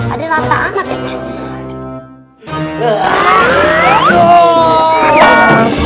ada rata amat ya pak